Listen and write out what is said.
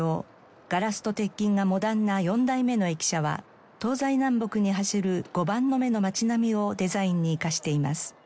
ガラスと鉄筋がモダンな４代目の駅舎は東西南北に走る「碁盤の目」の街並みをデザインに生かしています。